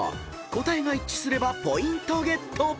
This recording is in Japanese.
［答えが一致すればポイントゲット］